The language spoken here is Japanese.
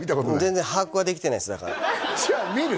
全然把握はできてないですだからじゃあ見る？